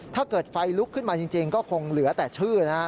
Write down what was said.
ถ้าเกิดไฟลุกขึ้นมาจริงก็คงเหลือแต่ชื่อนะฮะ